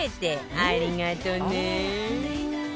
ありがとね